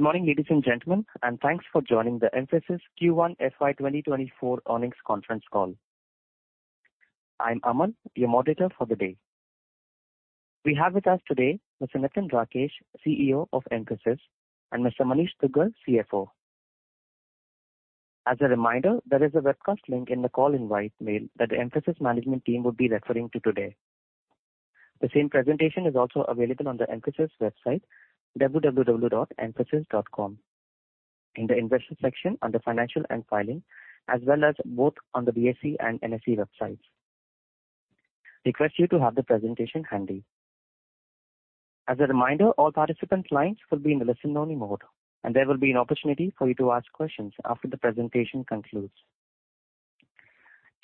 Good morning, ladies and gentlemen, thanks for joining the Mphasis Q1 FY 2024 Earnings Conference Call. I'm Aman, your moderator for the day. We have with us today Mr. Nitin Rakesh, CEO of Mphasis, and Mr. Manish Dugar, CFO. As a reminder, there is a webcast link in the call invite mail that the Mphasis management team will be referring to today. The same presentation is also available on the Mphasis website, www.mphasis.com, in the investment section under Financial and Filing, as well as both on the BSE and NSE websites. Request you to have the presentation handy. As a reminder, all participant lines will be in the listen-only mode, there will be an opportunity for you to ask questions after the presentation concludes.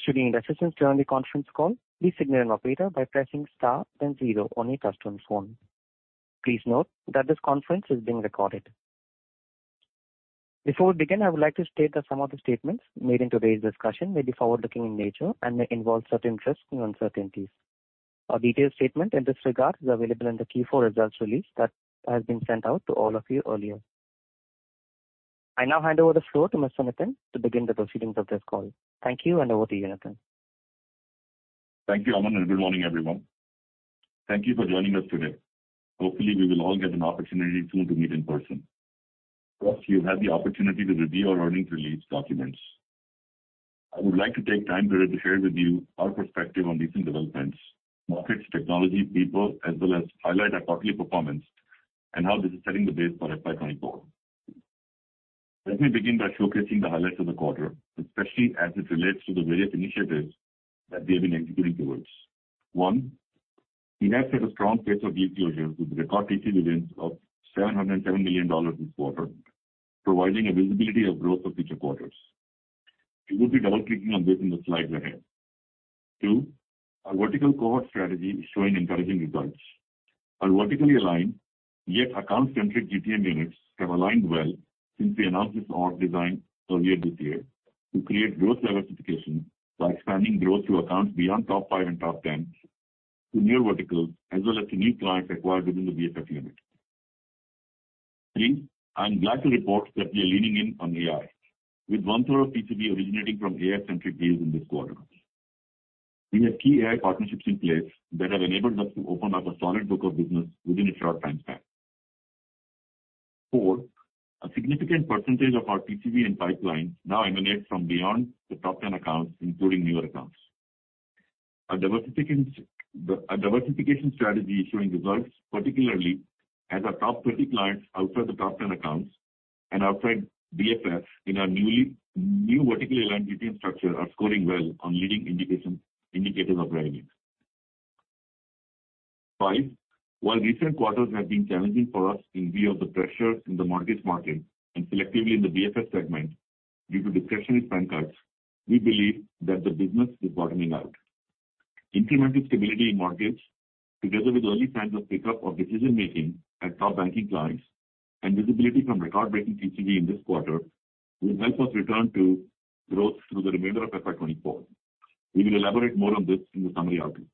Should you need assistance during the conference call, please signal an operator by pressing star then zero on your touchtone phone. Please note that this conference is being recorded. Before we begin, I would like to state that some of the statements made in today's discussion may be forward-looking in nature and may involve certain risks and uncertainties. A detailed statement in this regard is available in the Q4 results release that has been sent out to all of you earlier. I now hand over the floor to Mr. Nitin to begin the proceedings of this call. Thank you, over to you, Nitin. Thank you, Aman. Good morning, everyone. Thank you for joining us today. Hopefully, we will all get an opportunity soon to meet in person. You've had the opportunity to review our earnings release documents. I would like to take time today to share with you our perspective on recent developments, markets, technology, people, as well as highlight our quarterly performance and how this is setting the base for FY 2024. Let me begin by showcasing the highlights of the quarter, especially as it relates to the various initiatives that we have been executing towards. One, we have set a strong pace of deal closure with record TCV wins of $707 million this quarter, providing a visibility of growth for future quarters. We will be double-clicking on this in the slides ahead. Two, our vertical cohort strategy is showing encouraging results. Our vertically aligned, yet account-centric GTM units have aligned well since we announced this org design earlier this year to create growth diversification by expanding growth through accounts beyond top 5 and top 10 to new verticals, as well as to new clients acquired within the BFS unit. Three, I am glad to report that we are leaning in on AI, with 1/3 of TCV originating from AI-centric deals in this quarter. We have key AI partnerships in place that have enabled us to open up a solid book of business within a short time span. Four, a significant percentage of our TCV and pipeline now emanates from beyond the top 10 accounts, including newer accounts. Our diversification strategy is showing results, particularly as our top 20 clients outside the top 10 accounts and outside BFS in our new vertically aligned GTM structure are scoring well on leading indications, indicators of revenue. Five, while recent quarters have been challenging for us in view of the pressures in the market and selectively in the BFS segment due to discretion in bank cards, we believe that the business is bottoming out. Incremental stability in markets, together with early signs of pickup of decision-making at top banking clients and visibility from record-breaking TCV in this quarter, will help us return to growth through the remainder of FY 2024. We will elaborate more on this in the summary outlook.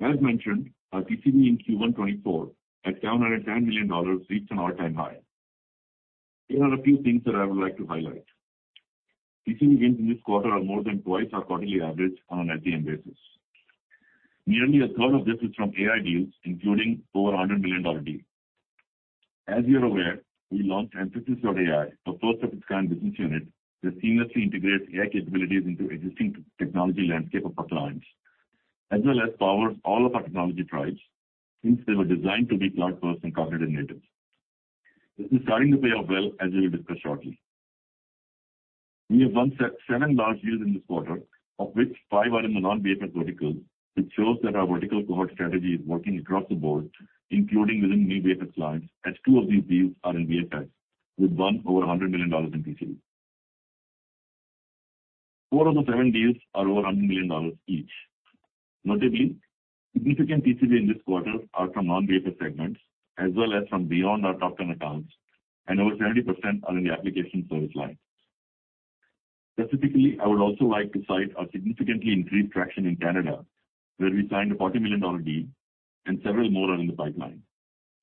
As mentioned, our TCV in Q1 2024 at $710 million reached an all-time high. Here are a few things that I would like to highlight. TCV wins in this quarter are more than 2x our quarterly average on an ATM basis. Nearly 1/3 of this is from AI deals, including over a $100 million deal. As you are aware, we launched Mphasis.ai, a first of its kind business unit, that seamlessly integrates AI capabilities into existing technology landscape of our clients, as well as powers all of our technology tribes since they were designed to be cloud-first and cognitive native. This is starting to pay off well, as we will discuss shortly. We have won seven large deals in this quarter, of which five are in the non-BFS verticals, which shows that our vertical cohort strategy is working across the board, including within new BFS clients, as two of these deals are in BFS, with one over $100 million in TCV. Four of the seven deals are over $100 million each. Notably, significant TCV in this quarter are from non-BFS segments as well as from beyond our top 10 accounts, and over 70% are in the application service line. Specifically, I would also like to cite our significantly increased traction in Canada, where we signed a $40 million deal and several more are in the pipeline.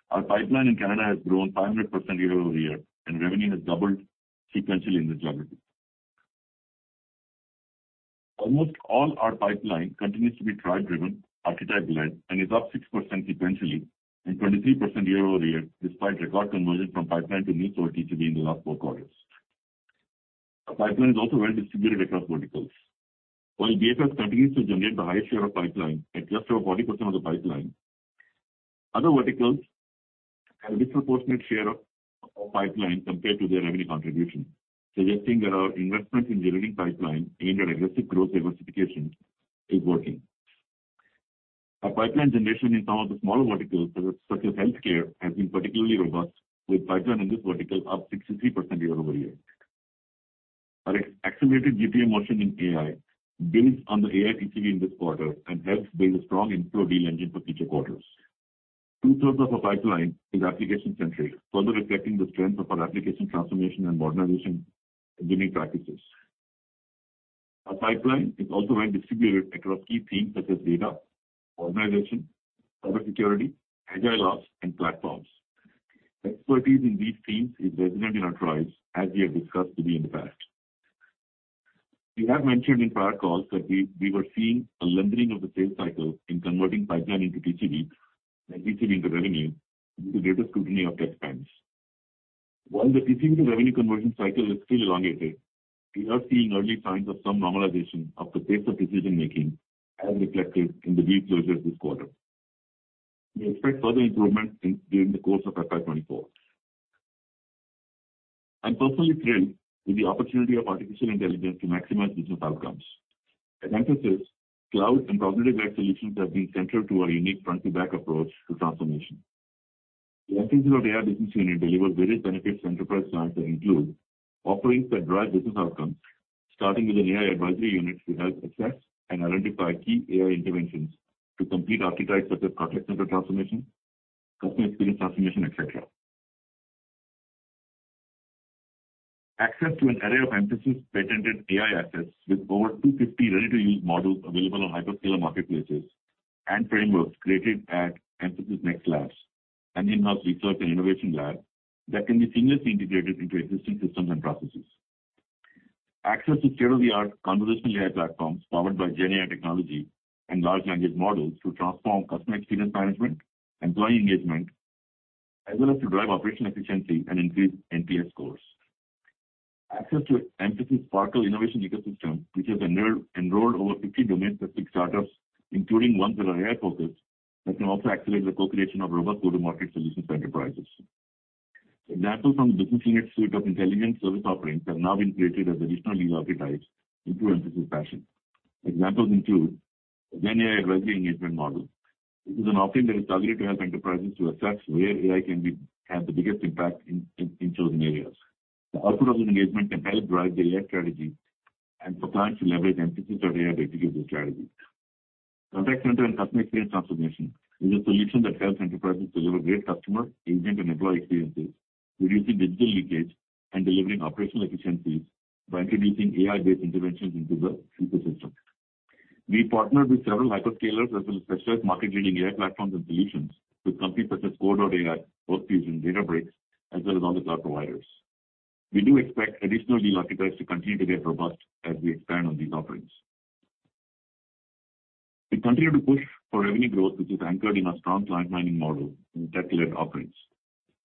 Our pipeline in Canada has grown 500% year-over-year, and revenue has doubled sequentially in this geography. Almost all our pipeline continues to be driven, archetype-led, and is up 6% sequentially and 23% year-over-year, despite record conversion from pipeline to new core TCV in the last four quarters. Our pipeline is also well distributed across verticals. While BFS continues to generate the highest share of pipeline, at just over 40% of the pipeline, other verticals have a disproportionate share of pipeline compared to their revenue contribution, suggesting that our investment in generating pipeline and our aggressive growth diversification is working. Our pipeline generation in some of the smaller verticals, such as healthcare, has been particularly robust, with pipeline in this vertical up 63% year-over-year. Our accelerated GTM motion in AI builds on the AI TCV in this quarter and helps build a strong and true deal engine for future quarters. Two-thirds of our pipeline is application-centric, further reflecting the strength of our application transformation and modernization delivery practices. Our pipeline is also well distributed across key themes such as data, organization, cybersecurity, agile ops, and platforms. Expertise in these themes is resonant in our trials, as we have discussed with you in the past. We have mentioned in prior calls that we were seeing a lengthening of the sales cycle in converting pipeline into TCV and TCV into revenue due to greater scrutiny of tech spends. While the TCV to revenue conversion cycle is still elongated, we are seeing early signs of some normalization of the pace of decision-making, as reflected in the deal closures this quarter. We expect further improvement during the course of FY 2024. I'm personally thrilled with the opportunity of artificial intelligence to maximize business outcomes. At Mphasis, cloud and cognitive solutions have been central to our unique front-to-back approach to transformation. The Mphasis.ai business unit delivers various benefits to enterprise clients that include offerings that drive business outcomes, starting with an AI advisory unit to help assess and identify key AI interventions to complete archetypes such as contact center transformation, customer experience transformation, et cetera. Access to an array of Mphasis patented AI assets with over 250 ready-to-use models available on hyperscaler marketplaces and frameworks created at Mphasis Next Labs, an in-house research and innovation lab that can be seamlessly integrated into existing systems and processes. Access to state-of-the-art conversational AI platforms powered by GenAI technology and large language models to transform customer experience management, employee engagement, as well as to drive operational efficiency and increase NPS scores. Access to Mphasis Sparkle Innovation Ecosystem, which has enrolled over 50 domain-specific startups, including ones that are AI-focused, that can also accelerate the co-creation of robust go-to-market solutions for enterprises. Examples from the business unit suite of intelligent service offerings have now been created as additional new archetypes into Mphasis.ai. Examples include GenAI advisory engagement model. This is an offering that is targeted to help enterprises to assess where AI can have the biggest impact in chosen areas. The output of the engagement can help drive the AI strategy and for clients to leverage Mphasis.ai to execute their strategy. Contact center and customer experience transformation is a solution that helps enterprises deliver great customer, agent, and employee experiences, reducing digital leakage and delivering operational efficiencies by introducing AI-based interventions into the ecosystem. We partnered with several hyperscalers as well as specialist market-leading AI platforms and solutions with companies such as core.ai, Postman, and Databricks, as well as other cloud providers. We do expect additional deal archetypes to continue to get robust as we expand on these offerings. We continue to push for revenue growth, which is anchored in a strong client mining model and tech-led offerings.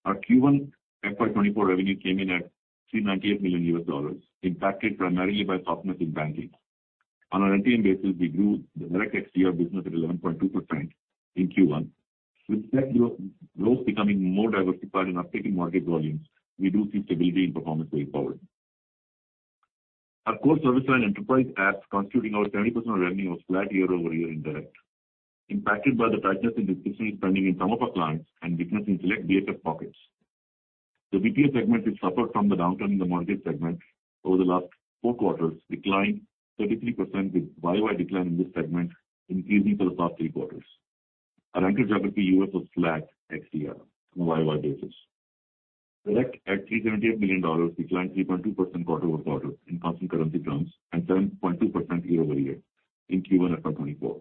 Our Q1 FY 2024 revenue came in at $398 million, impacted primarily by softness in banking. On an NTM basis, we grew the direct XDR business at 11.2% in Q1, with tech growth becoming more diversified in updating market volumes, we do see stability in performance way forward. Our core service line, enterprise apps, contributing our 20% revenue of flat year-over-year in direct, impacted by the tightness in decision spending in some of our clients and weakness in select BFS pockets. The BPS segment is suffered from the downturn in the mortgage segment over the last 4 quarters, declined 33%, with Y-o-Y decline in this segment increasing for the past 3 quarters. Our anchor geography, U.S., was flat XDR on a Y-o-Y basis. Direct at $378 million, declined 3.2% quarter-over-quarter in constant currency terms and 7.2% year-over-year in Q1 FY 2024.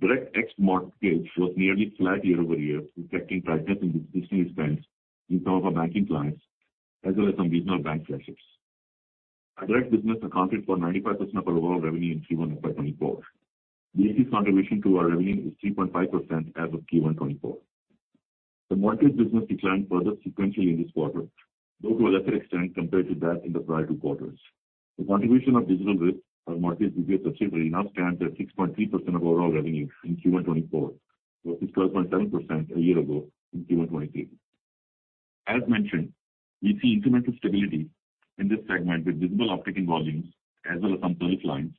Direct ex-mortgage was nearly flat year-over-year, reflecting tightness in decision spends in some of our banking clients, as well as some regional bank pressures. Our direct business accounted for 95% of our overall revenue in Q1 FY 2024. BFS contribution to our revenue is 3.5% as of Q1 2024. The mortgage business declined further sequentially in this quarter, though to a lesser extent compared to that in the prior two quarters. The contribution of Digital Risk on mortgage BPS subsidiary now stands at 6.3% of overall revenue in Q1 2024, versus 12.7% a year ago in Q1 2023. As mentioned, we see incremental stability in this segment, with visible uptick in volumes as well as some current clients,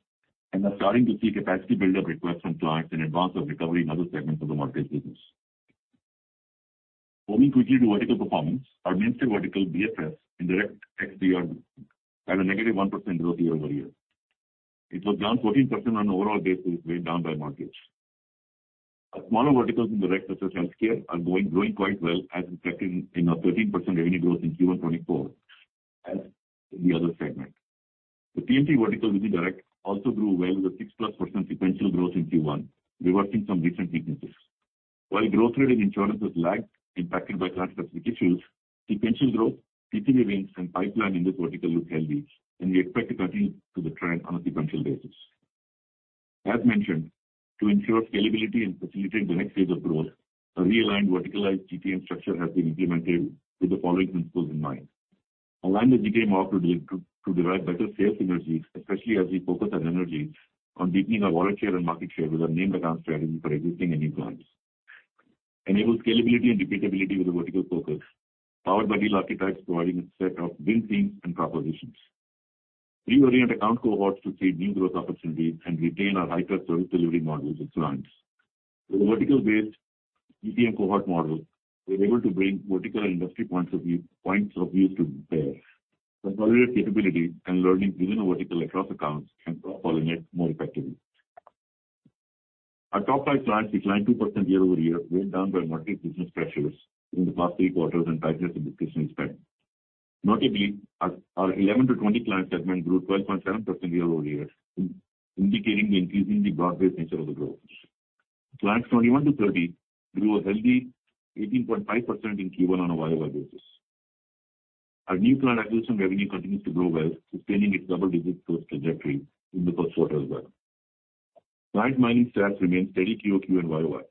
are starting to see capacity buildup requests from clients in advance of recovery in other segments of the mortgage business. Moving quickly to vertical performance, our mainstay vertical, BFS, indirect ex-DR, had a negative 1% growth year-over-year. It was down 14% on an overall basis, weighed down by mortgage. Our smaller verticals in direct such as healthcare are growing quite well, as reflected in our 13% revenue growth in Q1 2024 as the other segment. The TMT vertical within direct also grew well, with a 6+% sequential growth in Q1, reversing some recent weaknesses. While growth rate in insurance has lagged, impacted by classic applications, sequential growth, TCV wins, and pipeline in this vertical look healthy, and we expect to continue to the trend on a sequential basis. As mentioned, to ensure scalability and facilitate the next phase of growth, a realigned verticalized GTM structure has been implemented with the following principles in mind. Align the GTM offer to derive better sales synergies, especially as we focus our energy on deepening our wallet share and market share with our name account strategy for existing and new clients. Enable scalability and repeatability with a vertical focus, powered by deal archetypes providing a set of win themes and propositions. Reorient account cohorts to see new growth opportunities and retain our high-touch service delivery models with clients. With a vertical-based GTM cohort model, we're able to bring vertical industry points of view to bear. Consolidate capabilities and learning within a vertical across accounts can cross-pollinate more effectively.... Our top five clients declined 2% year-over-year, weighed down by multi business pressures in the past 3 quarters and tightness in decision spend. Notably, our 11-20 client segment grew 12.7% year-over-year, indicating the increasing broad-based nature of the growth. Clients 21-30 grew a healthy 18.5% in Q1 on a year-over-year basis. Our new client acquisition revenue continues to grow well, sustaining its double-digit growth trajectory in the first quarter as well. Client mining stats remain steady QOQ and year-over-year.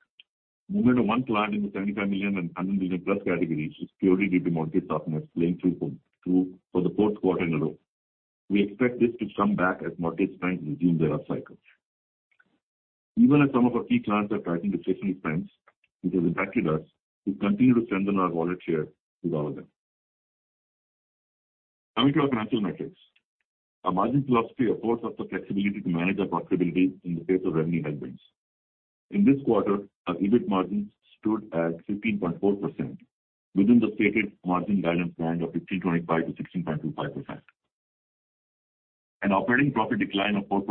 Movement of one client in the $75 million and $100 million plus categories is purely due to mortgage softness playing through for the fourth quarter in a row. We expect this to come back as mortgage clients resume their upcycle. Even as some of our key clients are tightening their decision spends, which has impacted us, we continue to strengthen our wallet share with all of them. Coming to our financial metrics. Our margin philosophy affords us the flexibility to manage our profitability in the face of revenue headwinds. In this quarter, our EBIT margins stood at 15.4%, within the stated margin guidance band of 15.5%-16.25%. An operating profit decline of 4%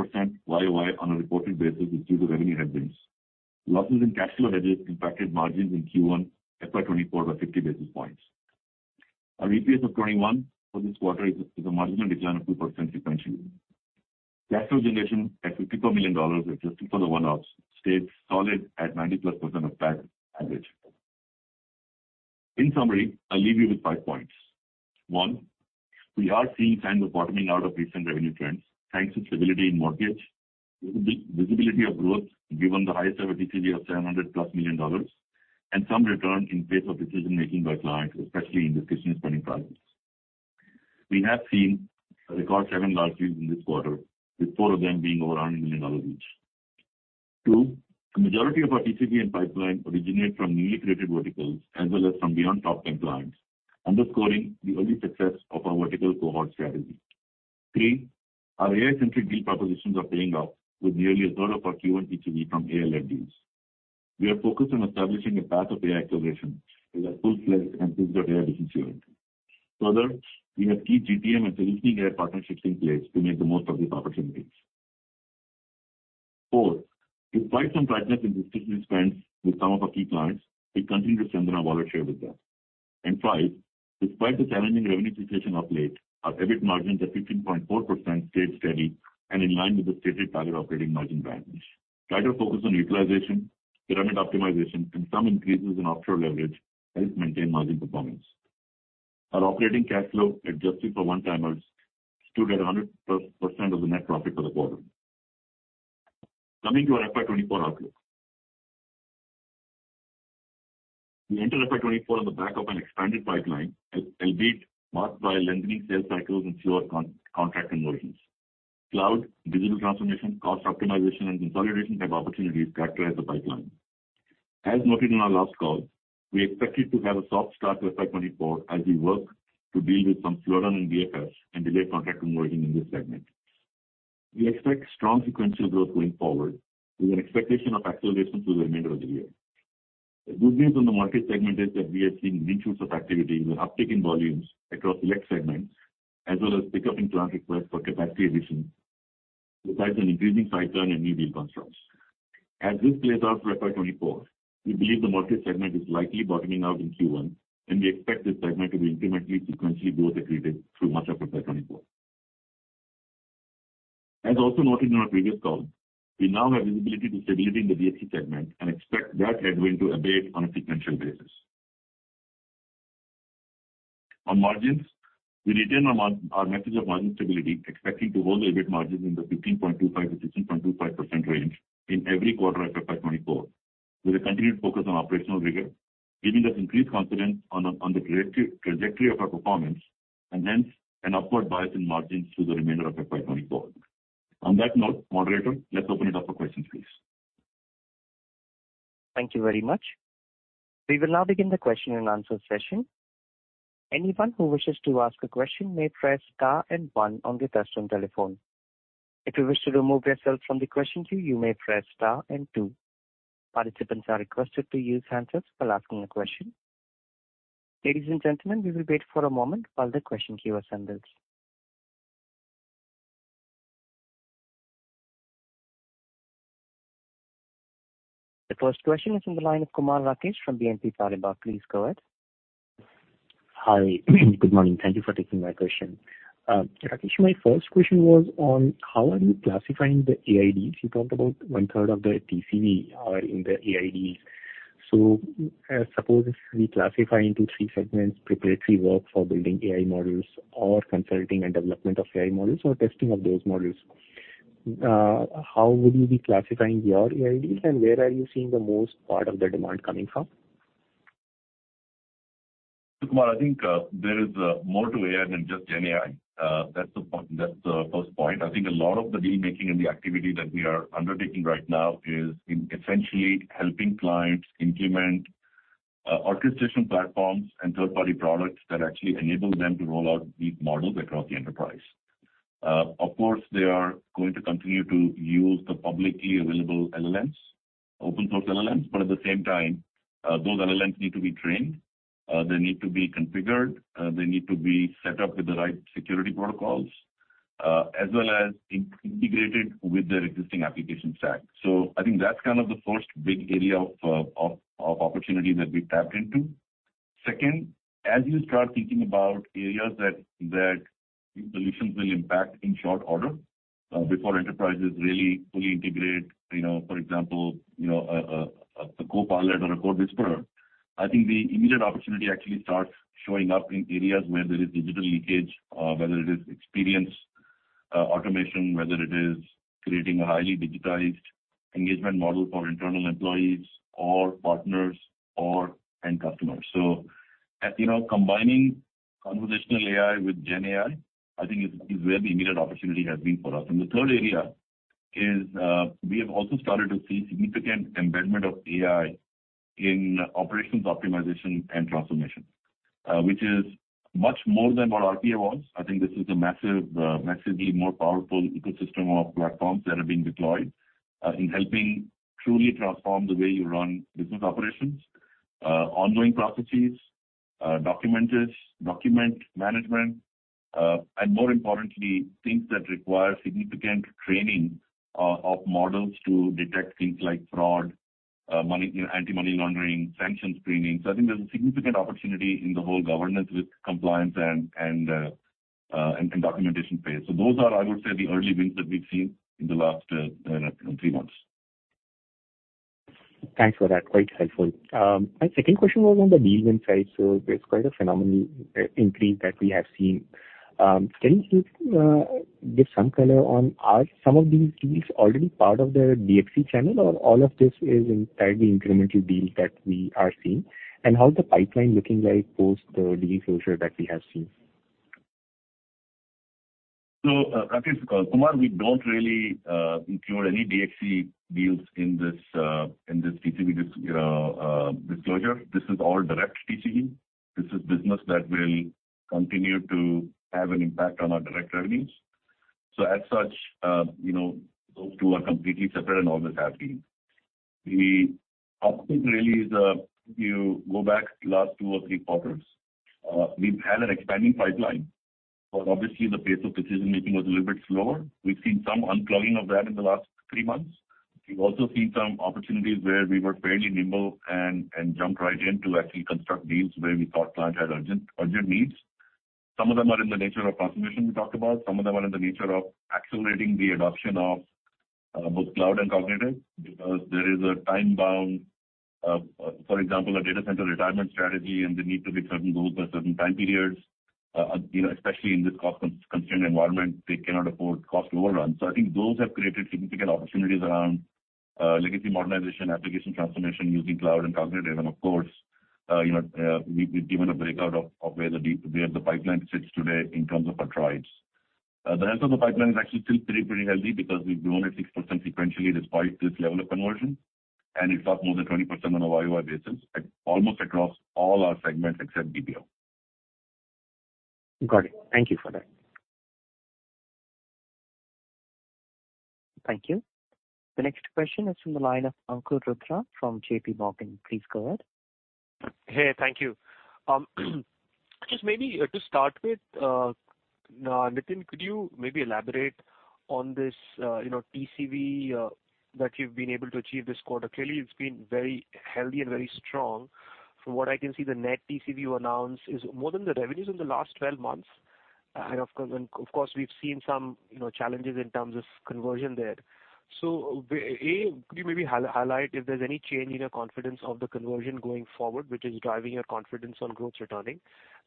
year-over-year on a reported basis is due to revenue headwinds. Losses in cash flow hedges impacted margins in Q1 FY 2024 by 50 basis points. Our EPS of 21 for this quarter is a marginal decline of 2% sequentially. Cash flow generation at $54 million, adjusted for the one-offs, stayed solid at 90+% of tax average. In summary, I leave you with five points. One, we are seeing signs of bottoming out of recent revenue trends, thanks to stability in mortgage, visibility of growth, given the highest ever TCV of +$700 million, some return in pace of decision-making by clients, especially in decision spending patterns. We have seen a record seven large deals in this quarter, with four of them being over $100 million each. Two, the majority of our TCV and pipeline originate from newly created verticals, as well as from beyond top 10 clients, underscoring the early success of our vertical cohort strategy. Three, our AI-centric deal propositions are paying off with nearly a third of our Q1 TCV from AI-led deals. We are focused on establishing a path of AI acceleration as a full-fledged and digital AI security. Further, we have key GTM and strategic AI partnerships in place to make the most of these opportunities. Four, despite some tightness in decision spends with some of our key clients, we continue to strengthen our wallet share with them. Five, despite the challenging revenue situation of late, our EBIT margins at 15.4% stayed steady and in line with the stated target operating margin guidance. Tighter focus on utilization, pyramid optimization, and some increases in offshore leverage helped maintain margin performance. Our operating cash flow, adjusted for one-timers, stood at 100+% of the net profit for the quarter. Coming to our FY 2024 outlook. We entered FY 2024 on the back of an expanded pipeline, as albeit marked by lengthening sales cycles and slower contract conversions. Cloud, digital transformation, cost optimization, and consolidation type opportunities characterize the pipeline. As noted in our last call, we expected to have a soft start to FY 2024 as we work to deal with some slower than DFS and delayed contract conversion in this segment. We expect strong sequential growth going forward, with an expectation of acceleration through the remainder of the year. A good news on the market segment is that we are seeing green shoots of activity with an uptick in volumes across select segments, as well as pickup in client requests for capacity addition, besides an increasing pipeline and new deal constructs. As this plays out for FY 2024, we believe the market segment is likely bottoming out in Q1, and we expect this segment to be incrementally, sequentially growth accretive through much of FY 2024. Also noted in our previous call, we now have visibility to stability in the DFC segment and expect that headwind to abate on a sequential basis. On margins, we retain our message of margin stability, expecting to hold the EBIT margins in the 15.25%-16.25% range in every quarter of FY 2024, with a continued focus on operational rigor, giving us increased confidence on the trajectory of our performance, and hence an upward bias in margins through the remainder of FY 2024. On that note, moderator, let's open it up for questions, please. Thank you very much. We will now begin the question and answer session. Anyone who wishes to ask a question may press star and one on their touchtone telephone. If you wish to remove yourself from the question queue, you may press star and two. Participants are requested to use hands-ups while asking a question. Ladies and gentlemen, we will wait for a moment while the question queue assembles. The first question is from the line of Kumar Rakesh from BNP Paribas. Please go ahead. Hi. Good morning. Thank you for taking my question. Rakesh, my first question was on how are you classifying the AI? You talked about one-third of the TCV are in the AI. Suppose we classify into three segments, preparatory work for building AI models or consulting and development of AI models or testing of those models. How would you be classifying your AI, and where are you seeing the most part of the demand coming from? Kumar, I think, there is more to AI than just GenAI. That's the first point. I think a lot of the deal-making and the activity that we are undertaking right now is in essentially helping clients implement orchestration platforms and third-party products that actually enable them to roll out these models across the enterprise. Of course, they are going to continue to use the publicly available LLMs, open source LLMs, but at the same time, those LLMs need to be trained, they need to be configured, they need to be set up with the right security protocols, as well as in-integrated with their existing application stack. I think that's kind of the first big area of opportunity that we tapped into. Second, as you start thinking about areas that solutions will impact in short order, before enterprises really fully integrate, you know, for example, you know, a Copilot or a Amazon CodeWhisperer. I think the immediate opportunity actually starts showing up in areas where there is digital leakage, whether it is experience, automation, whether it is creating a highly digitized engagement model for internal employees or partners or end customers. As you know, combining conversational AI with GenAI, I think is where the immediate opportunity has been for us. The third area is, we have also started to see significant embedment of AI in operations optimization and transformation, which is much more than what RPA was. I think this is a massive, massively more powerful ecosystem of platforms that are being deployed, in helping truly transform the way you run business operations, ongoing processes, documenters, document management, and more importantly, things that require significant training of models to detect things like fraud, money, you know, anti-money laundering, sanction screening. I think there's a significant opportunity in the whole governance with compliance and documentation space. Those are, I would say, the early wins that we've seen in the last three months. Thanks for that. Quite helpful. My second question was on the deal win side. There's quite a phenomenal increase that we have seen. Can you please give some color on, are some of these deals already part of the DFC channel, or all of this is entirely incremental deals that we are seeing? How is the pipeline looking like post the deal closure that we have seen? I think, Kumar, we don't really include any DXC deals in this in this TCV disclosure. This is all direct TCV. This is business that will continue to have an impact on our direct revenues. As such, you know, those two are completely separate and always have been. The uptick really is, you go back last two or three quarters, we've had an expanding pipeline, but obviously the pace of decision-making was a little bit slower. We've seen some unclogging of that in the last three months. We've also seen some opportunities where we were fairly nimble and jumped right in to actually construct deals where we thought client had urgent needs. Some of them are in the nature of transformation we talked about. Some of them are in the nature of accelerating the adoption of both cloud and cognitive, because there is a time-bound, for example, a data center retirement strategy, and the need to meet certain goals by certain time periods. You know, especially in this cost-constrained environment, they cannot afford cost overruns. I think those have created significant opportunities around legacy modernization, application transformation using cloud and cognitive. Of course, you know, we've given a breakout of where the pipeline sits today in terms of our tribes. The rest of the pipeline is actually still pretty healthy because we've grown at 6% sequentially despite this level of conversion, and it's up more than 20% on a YoY basis, at almost across all our segments except BPO. Got it. Thank you for that. Thank you. The next question is from the line of Ankur Rudra from JPMorgan. Please go ahead. Hey, thank you. Just maybe to start with, Nitin, could you maybe elaborate on this, you know, TCV that you've been able to achieve this quarter? Clearly, it's been very healthy and very strong. From what I can see, the net TCV you announced is more than the revenues in the last 12 months. Of course, we've seen some, you know, challenges in terms of conversion there. Could you maybe highlight if there's any change in your confidence of the conversion going forward, which is driving your confidence on growth returning?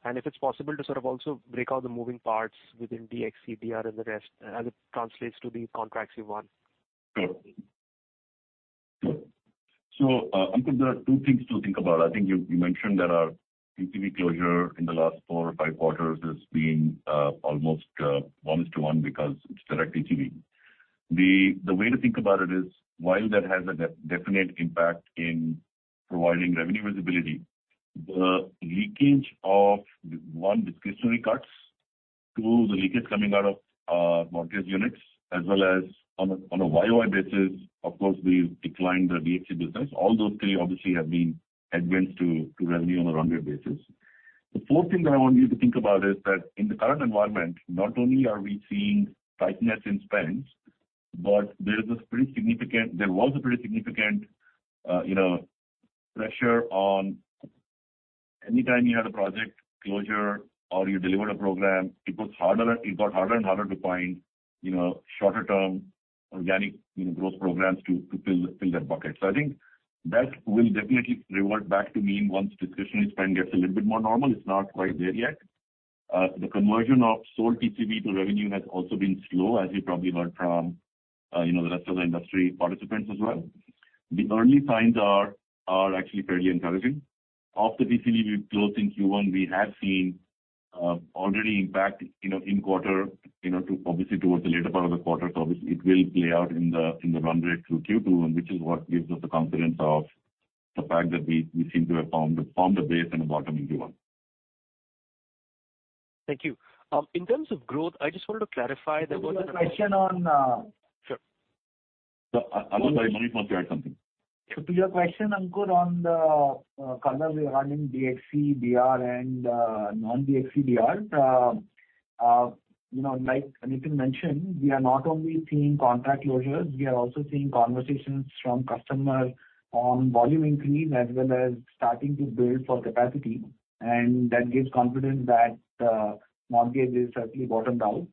If it's possible to sort of also break out the moving parts within DXC, DR, and the rest as it translates to the contracts you've won. Ankur, there are two things to think about. I think you mentioned that our TCV closure in the last four or five quarters has been almost one is to one because it's direct TCV. The way to think about it is, while that has a definite impact in providing revenue visibility, the leakage of one, discretionary cuts, two, the leakage coming out of mortgage units, as well as on a YoY basis, of course, we've declined the DXC business. All those three obviously have been headwinds to revenue on a run rate basis. The fourth thing that I want you to think about is that in the current environment, not only are we seeing tightness in spends, but there was a pretty significant, you know, pressure on anytime you had a project closure or you delivered a program, it got harder and harder to find, you know, shorter-term organic, you know, growth programs to fill that bucket. I think that will definitely revert back to mean once discretionary spend gets a little bit more normal. It's not quite there yet. The conversion of sold TCV to revenue has also been slow, as you probably heard from, you know, the rest of the industry participants as well. The early signs are actually fairly encouraging. Of the TCV we closed in Q1, we have seen already impact, you know, in quarter, you know, to obviously towards the later part of the quarter. Obviously it will play out in the run rate through Q2, and which is what gives us the confidence of the fact that we seem to have found a base and a bottom in Q1. Thank you. In terms of growth, I just wanted to clarify. One question on. Sure. I'm sorry, Manish wants to add something. To your question, Ankur, on the color we are having DFC, DR, and non-DFC, DR. You know, like Nitin mentioned, we are not only seeing contract closures, we are also seeing conversations from customers on volume increase as well as starting to build for capacity. That gives confidence that mortgage has certainly bottomed out.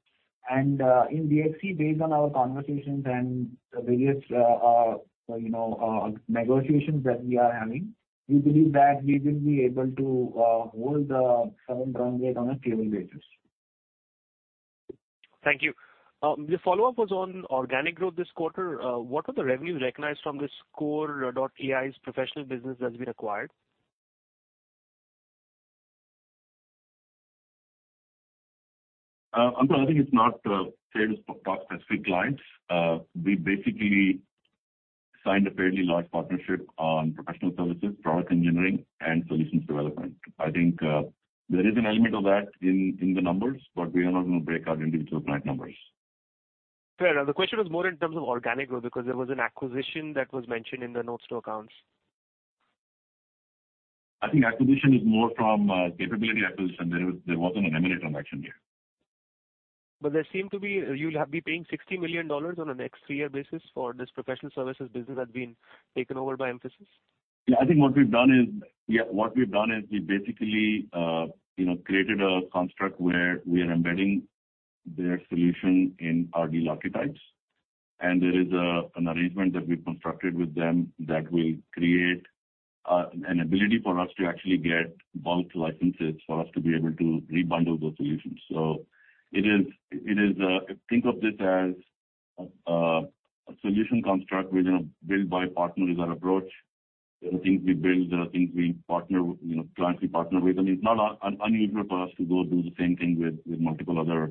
In DFC, based on our conversations and the various, you know, negotiations that we are having, we believe that we will be able to hold the current run rate on a stable basis. Thank you. The follow-up was on organic growth this quarter. What are the revenues recognized from this core.ai's professional business that's been acquired? Ankur, I think it's not fair to talk specific clients. We basically signed a fairly large partnership on professional services, product engineering, and solutions development. I think, there is an element of that in the numbers, but we are not gonna break out individual client numbers. Fair. The question was more in terms of organic growth, because there was an acquisition that was mentioned in the notes to accounts. I think acquisition is more from capability acquisition. There was, there wasn't an M&A transaction here. You'll have be paying $60 million on a next three-year basis for this professional services business that's been taken over by Mphasis. I think what we've done is we basically, you know, created a construct where we are embedding their solution in our deal archetypes. There is an arrangement that we've constructed with them that will create an ability for us to actually get bulk licenses for us to be able to rebundle those solutions. It is, think of this as a solution construct. We're gonna build by partner as our approach. The things we build, the things we partner, you know, clients we partner with. I mean, it's not unusual for us to go do the same thing with multiple other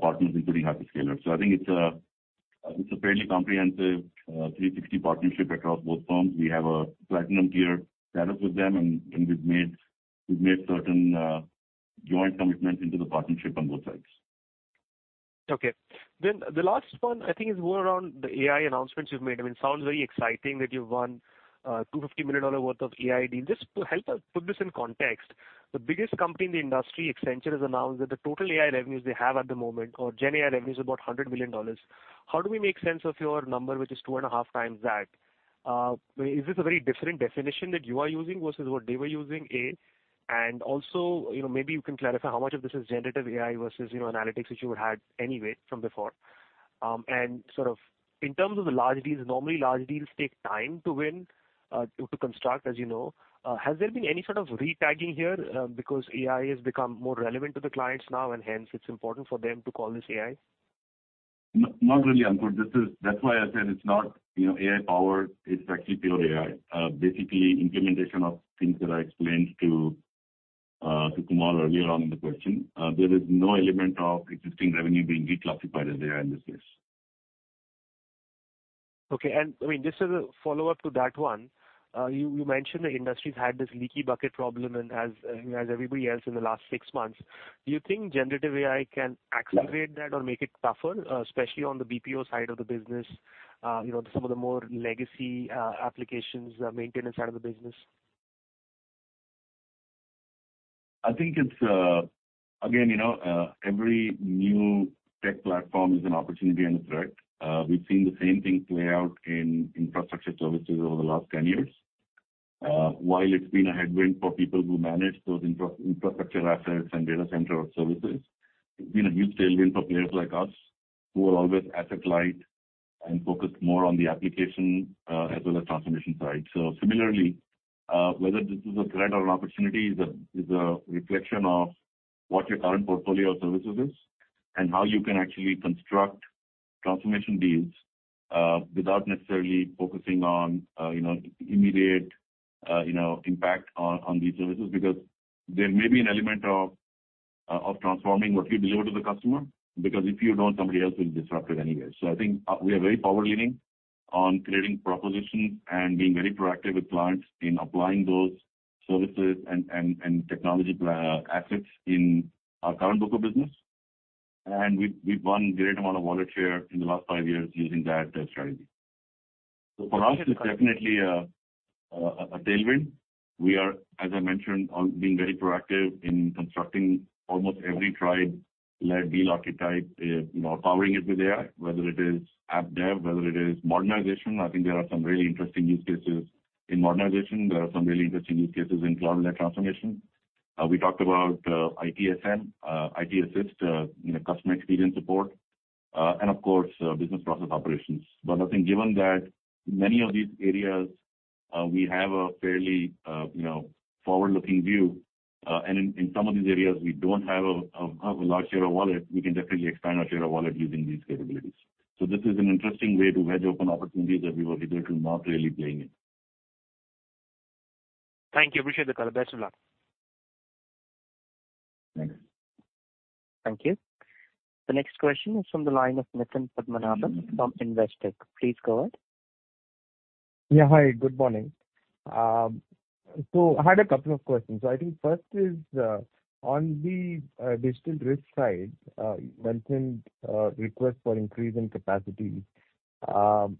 partners in pretty happy scale up. I think it's a fairly comprehensive 360 partnership across both firms. We have a platinum tier set up with them, and we've made certain joint commitments into the partnership on both sides. Okay. The last one, I think, is more around the AI announcements you've made. I mean, it sounds very exciting that you've won $250 million worth of AI deal. Just to help us put this in context, the biggest company in the industry, Accenture, has announced that the total AI revenues they have at the moment, or GenAI revenues, is about $100 million. How do we make sense of your number, which is two and a half times that? Is this a very different definition that you are using versus what they were using, A? Also, you know, maybe you can clarify how much of this is generative AI versus, you know, analytics, which you had anyway from before. Sort of in terms of the large deals, normally large deals take time to win, to construct, as you know. Has there been any sort of retagging here, because AI has become more relevant to the clients now, and hence it's important for them to call this AI? Not really, Ankur. That's why I said it's not, you know, AI-powered. It's actually pure AI. Basically, implementation of things that I explained to Kumar earlier on in the question. There is no element of existing revenue being reclassified as AI in this case. Okay. I mean, just as a follow-up to that one, you mentioned the industry's had this leaky bucket problem and as everybody else in the last 6 months. Do you think generative AI can accelerate that or make it tougher, especially on the BPO side of the business, you know, some of the more legacy, applications, maintenance side of the business? I think it's again, you know, every new tech platform is an opportunity and a threat. We've seen the same thing play out in infrastructure services over the last 10 years. While it's been a headwind for people who manage those infrastructure assets and data center services, it's been a huge tailwind for players like us who are always asset-light and focused more on the application, as well as transformation side. Similarly, whether this is a threat or an opportunity is a reflection of what your current portfolio of services is, and how you can actually construct transformation deals, without necessarily focusing on, you know, immediate, you know, impact on these services. Because there may be an element of transforming what you deliver to the customer, because if you don't, somebody else will disrupt it anyways. I think we are very forward-leaning on creating propositions and being very proactive with clients in applying those services and technology assets in our current book of business. We've won great amount of wallet share in the last five years using that strategy. For us, it's definitely a tailwind. We are, as I mentioned, on being very proactive in constructing almost every tribe, led deal archetype, you know, powering it with AI, whether it is app dev, whether it is modernization. I think there are some really interesting use cases in modernization. There are some really interesting use cases in cloud-led transformation. We talked about ITSM, IT assist, you know, customer experience support, and of course, business process operations. I think given that many of these areas, we have a fairly, you know, forward-looking view, and in some of these areas, we don't have a large share of wallet, we can definitely expand our share of wallet using these capabilities. This is an interesting way to hedge open opportunities that we were hitherto not really playing in. Thank you. Appreciate the call. Best of luck. Thanks. Thank you. The next question is from the line of Nitin Padmanabhan from Investec. Please go ahead. Yeah. Hi, good morning. I had a couple of questions. I think first is on the Digital Risk side, you mentioned request for increase in capacity. I'm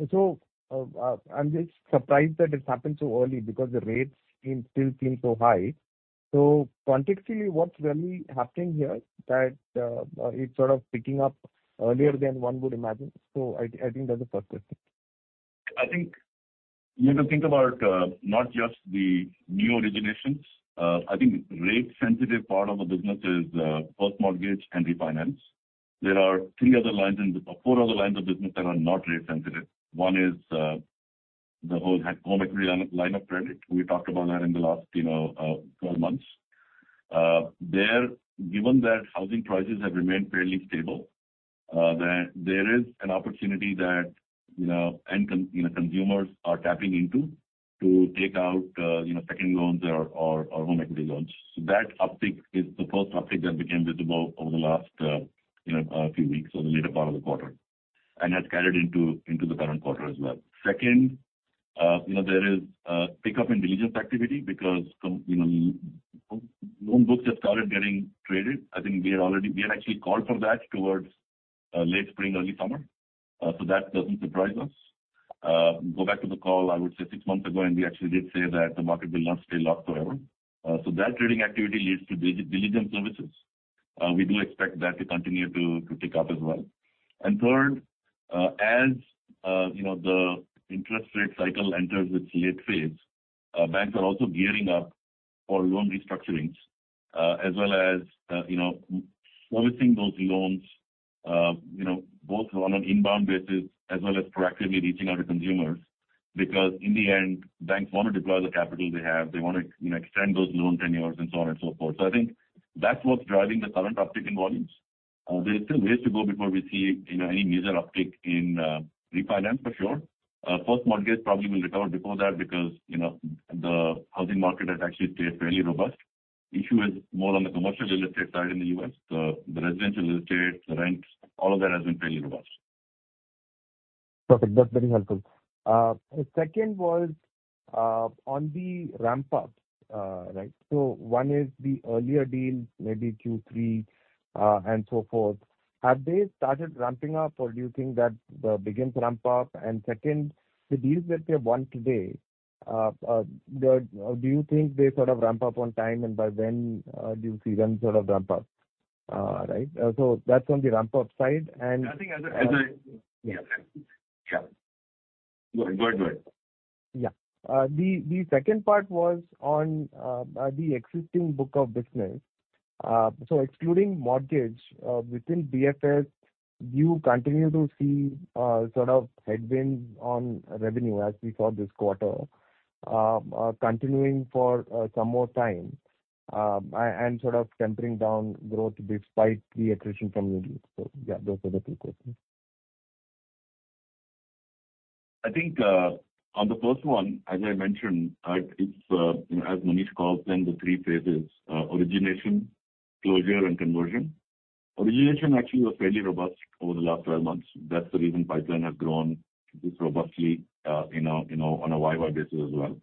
just surprised that it happened so early because the rates still seem so high. Contextually, what's really happening here that it's sort of picking up earlier than one would imagine? I think that's the first question. I think you have to think about not just the new originations. I think rate-sensitive part of the business is first mortgage and refinance. There are four other lines of business that are not rate sensitive. One is the whole home equity line of credit. We talked about that in the last, you know, 12 months. There, given that housing prices have remained fairly stable, there is an opportunity that, you know, and you know, consumers are tapping into, to take out, you know, second loans or home equity loans. That uptick is the first uptick that became visible over the last, you know, few weeks or the later part of the quarter, and has carried into the current quarter as well. Second, you know, there is a pickup in diligence activity because you know, loan books have started getting traded. We had actually called for that towards late spring, early summer, so that doesn't surprise us. Go back to the call, I would say six months ago, we actually did say that the market will not stay locked forever. That trading activity leads to diligence services. We do expect that to continue to pick up as well. Third, as you know, the interest rate cycle enters its late phase, banks are also gearing up for loan restructurings, as well as, you know, servicing those loans, you know, both on an inbound basis as well as proactively reaching out to consumers, because in the end, banks want to deploy the capital they have. They want to, you know, extend those loan tenures and so on and so forth. I think that's what's driving the current uptick in volumes. There are still ways to go before we see, you know, any major uptick in refinance, for sure. First mortgage probably will recover before that, because, you know, the housing market has actually stayed fairly robust. Issue is more on the commercial real estate side in the U.S. The residential real estate, the rents, all of that has been fairly robust. Perfect. That's very helpful. The second was on the ramp-up, right? One is the earlier deal, maybe Q3, and so forth. Have they started ramping up, or do you think that begins ramp up? Second, the deals that they've won today, do you think they sort of ramp up on time, and by when, do you see them sort of ramp up? Right. That's on the ramp-up side. I think as I... Yeah. Go ahead. Yeah. The second part was on the existing book of business. Excluding mortgage within BFS, do you continue to see sort of headwinds on revenue as we saw this quarter, continuing for some more time, and sort of tempering down growth despite the accretion from the deals? Yeah, those are the two questions. I think, on the first one, as I mentioned, it's, you know, as Manish called them, the three phases: origination, closure, and conversion. Origination actually was fairly robust over the last 12 months. That's the reason pipeline has grown this robustly, in a, you know, on a year-over-year basis as well.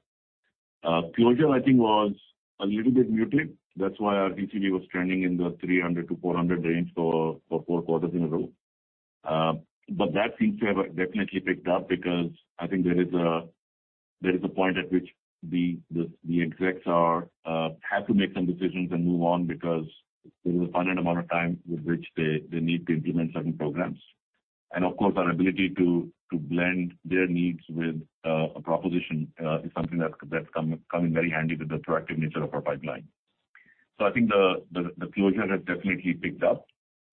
Closure, I think, was a little bit muted. That's why our TCV was trending in the $300-$400 range for four quarters in a row. That seems to have definitely picked up, because I think there is a, there is a point at which the execs are, have to make some decisions and move on because there's a finite amount of time with which they need to implement certain programs. Of course, our ability to blend their needs with a proposition is something that's come in very handy with the proactive nature of our pipeline. I think the closure has definitely picked up,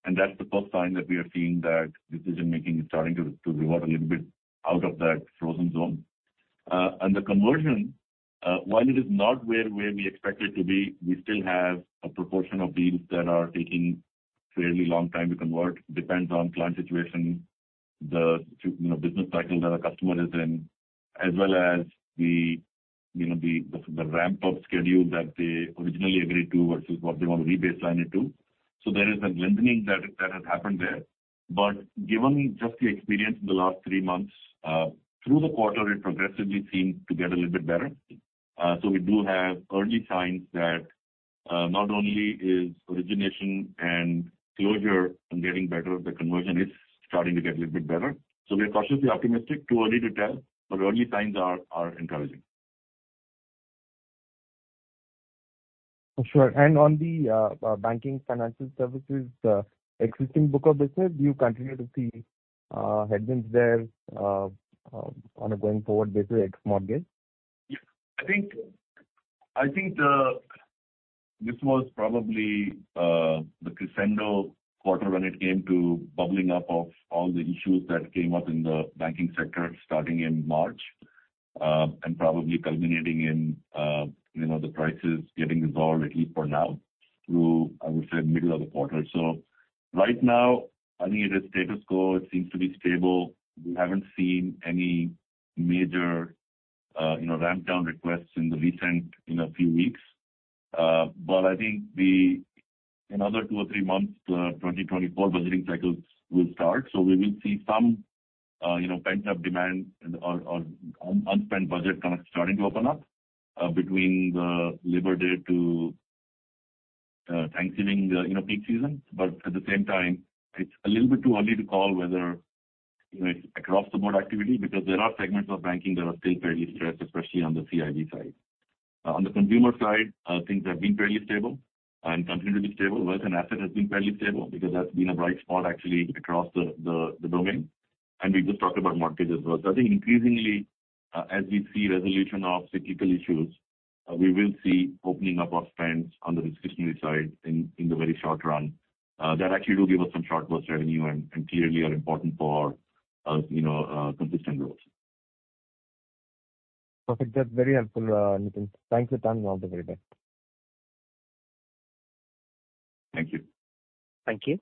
and that's the first sign that we are seeing that decision-making is starting to move out a little bit out of that frozen zone. The conversion, while it is not where we expect it to be, we still have a proportion of deals that are taking fairly long time to convert. Depends on client situation, you know, business cycle that a customer is in, as well as, you know, the ramp-up schedule that they originally agreed to versus what they want to rebaseline it to. There is a lengthening that has happened there. Given just the experience in the last three months, through the quarter, it progressively seemed to get a little bit better. We do have early signs that not only is origination and closure are getting better, the conversion is starting to get a little bit better. We are cautiously optimistic. Too early to tell, but early signs are encouraging. Sure. On the Banking Financial Services existing book of business, do you continue to see headwinds there on a going-forward basis, mortgage? Yeah. I think, I think the... This was probably the crescendo quarter when it came to bubbling up of all the issues that came up in the banking sector, starting in March, and probably culminating in, you know, the prices getting resolved, at least for now, through, I would say, middle of the quarter. Right now, I think it is status quo. It seems to be stable. We haven't seen any, you know, ramp down requests in the recent, in a few weeks. I think the, another two or three months, 2024 budgeting cycles will start. We will see some, you know, pent-up demand and or, unspent budget kind of starting to open up, between the Labor Day to Thanksgiving, the, you know, peak season. At the same time, it's a little bit too early to call whether, you know, it's across the board activity because there are segments of banking that are still fairly stressed, especially on the CIB side. On the consumer side, things have been fairly stable and continue to be stable. Wealth and asset has been fairly stable because that's been a bright spot actually across the, the domain, and we just talked about mortgages as well. I think increasingly, as we see resolution of cyclical issues, we will see opening up of spends on the discretionary side in the very short run. That actually will give us some short burst revenue and clearly are important for, you know, consistent growth. Perfect. That's very helpful, Nitin. Thanks a ton, and all the very best. Thank you. Thank you.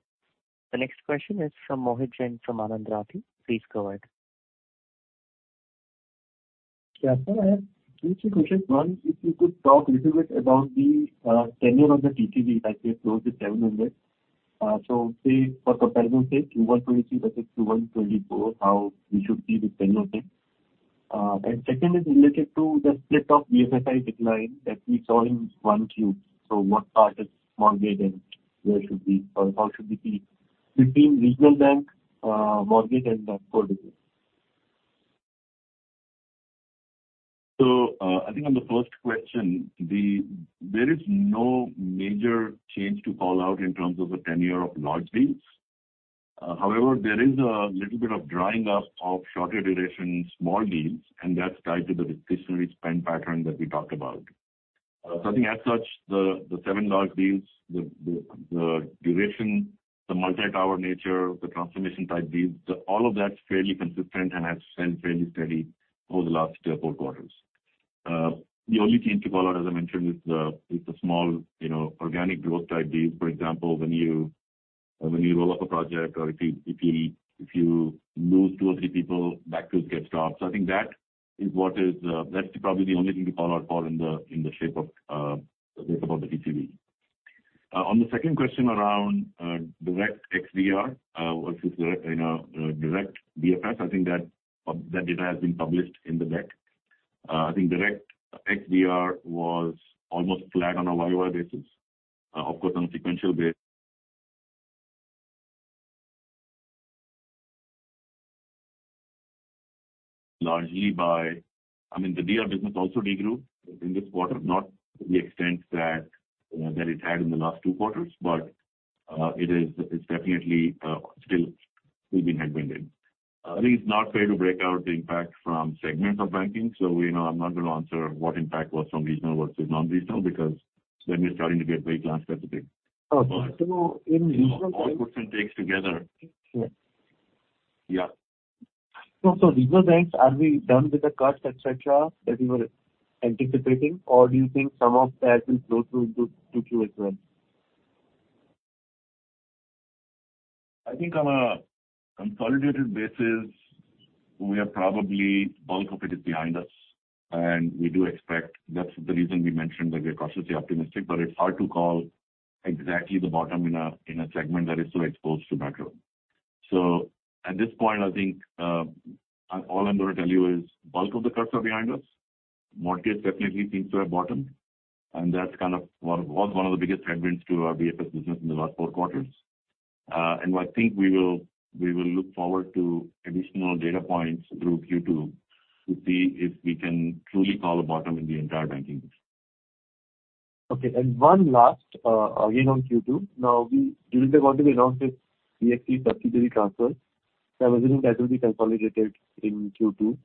The next question is from Mohit Jain, from Anand Rathi. Please go ahead. Yeah, sir, I have two, three questions. One, if you could talk a little bit about the tenure of the TTB that we closed at $700 million. Say, for comparison sake, Q1 2023 versus Q1 2024, how we should see the tenure thing? And second is related to the split of BFSI decline that we saw in 1Q. What part is mortgage, and how should we see between regional bank, mortgage, and then four degrees? I think on the first question, there is no major change to call out in terms of the tenure of large deals. However, there is a little bit of drying up of shorter duration small deals, and that's tied to the discretionary spend pattern that we talked about. I think as such, the seven large deals, the duration, the multi-tower nature, the transformation type deals, all of that's fairly consistent and have spent fairly steady over the last four quarters. The only change to call out, as I mentioned, is the small, you know, organic growth type deals. For example, when you roll up a project or if you lose two or three people, that deal gets stopped. I think that is what is, that's probably the only thing to call out for in the, in the shape of, about the TCV. On the second question around, direct XDR, versus direct, you know, direct BFS, I think that data has been published in the deck. I think direct XDR was almost flat on a YoY basis. Of course, on a sequential basis. I mean, the DR business also degrew in this quarter, not to the extent that it had in the last two quarters, but it is, it's definitely, still being headwinded. I think it's not fair to break out the impact from segments of banking, so, you know, I'm not going to answer what impact was from regional versus non-regional, because then you're starting to get very specific. Okay. in regional- All percentage takes together. Sure. Yeah. Regional banks, are we done with the cuts, et cetera, that you were anticipating, or do you think some of that will flow through to Q as well? I think on a consolidated basis, we are probably bulk of it is behind us. We do expect. That's the reason we mentioned that we are cautiously optimistic, but it's hard to call exactly the bottom in a segment that is so exposed to macro. At this point, I think, all I'm gonna tell you is bulk of the cuts are behind us. Mortgages definitely seems to have bottomed, and that's kind of was one of the biggest headwinds to our BFS business in the last four quarters. I think we will look forward to additional data points through Q2 to see if we can truly call a bottom in the entire banking business. Okay. One last, again, on Q2. We recently want to announce this BFL subsidiary transfer. I'm assuming that will be consolidated in Q2.